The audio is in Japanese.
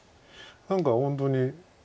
何か本当に。